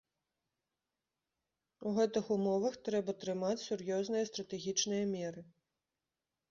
У гэтых умовах трэба прымаць сур'ёзныя стратэгічныя меры.